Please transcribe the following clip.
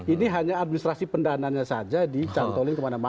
ini hanya administrasi pendananya saja dicantolin kemana mana